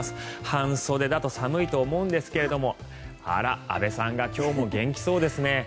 半袖だと寒いと思うんですがあら、安部さんが今日も元気そうですね。